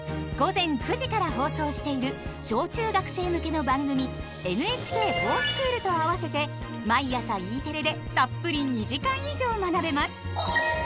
午前９時から放送している小・中学生向けの番組「ＮＨＫｆｏｒＳｃｈｏｏｌ」と合わせて毎朝Ｅテレでたっぷり２時間以上学べます。